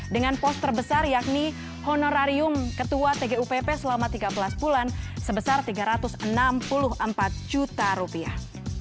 dengan pos terbesar yakni honorarium ketua tgupp selama tiga belas bulan sebesar tiga ratus enam puluh empat juta rupiah